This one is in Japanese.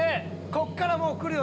こっからもう来るよ